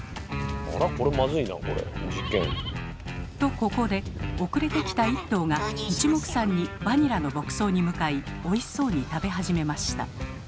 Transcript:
ここで遅れて来た１頭がいちもくさんに「バニラ」の牧草に向かいおいしそうに食べ始めました。